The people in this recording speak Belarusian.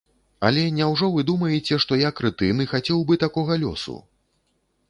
Але няўжо вы думаеце, што я крэтын і хацеў бы такога лёсу?